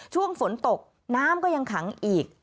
ช่วงฝนตกน้ำก็ยังขังอีก